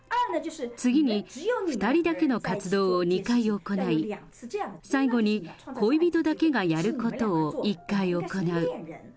次に２人だけの活動を２回行い、最後に恋人だけがやることを１回行う。